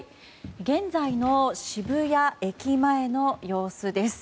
現在の渋谷駅前の様子です。